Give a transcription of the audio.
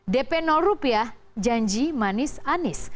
dp rupiah janji manis anies